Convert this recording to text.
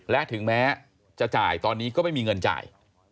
และถึงแม้จะจ่ายตอนนี้ก็ไม่มีเงินจ่าย